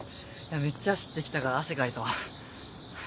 めっちゃ走ってきたから汗かいたわ。